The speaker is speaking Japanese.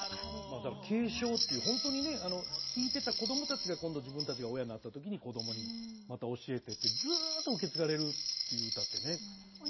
だから継承っていう本当にね聴いてたこどもたちが今度自分たちが親になった時にこどもにまた教えてってずっと受け継がれるっていう歌ってね。